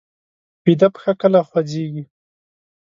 ویده پښه کله خوځېږي